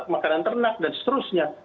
makanan ternak dan seterusnya